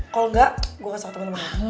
kalo engga gue kasih satu sama dia